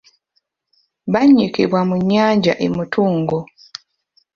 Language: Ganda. Bannyikibwa mu nnyanja e Mutungo.